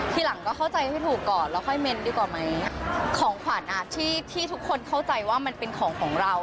ทีหลังก็เข้าใจให้ถูกก่อนแล้วค่อยเม้นดีกว่าไหมของขวัญอ่ะที่ที่ทุกคนเข้าใจว่ามันเป็นของของเรา